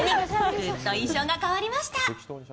ぐっと印象が変わりました。